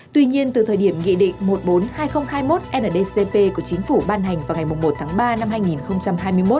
tuy nhiên từ thời điểm nghị định một mươi bốn hai nghìn hai mươi một ndcp của chính phủ ban hành vào ngày một ba hai nghìn hai mươi một